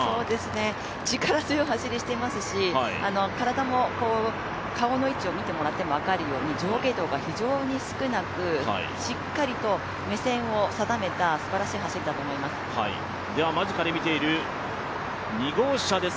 力強い走りをしていますし、顔の位置を見ても分かるように体も上下動が非常に少なく、しっかりと目線を定めたすばらしい走りだと思います。